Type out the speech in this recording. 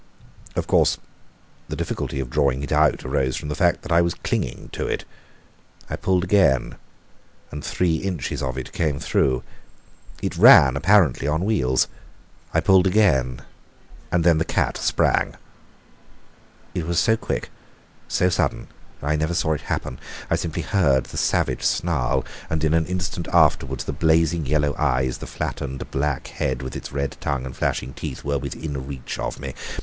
Of course the difficulty of drawing it out arose from the fact that I was clinging to it. I pulled again, and three inches of it came through. It ran apparently on wheels. I pulled again ... and then the cat sprang! It was so quick, so sudden, that I never saw it happen. I simply heard the savage snarl, and in an instant afterwards the blazing yellow eyes, the flattened black head with its red tongue and flashing teeth, were within reach of me.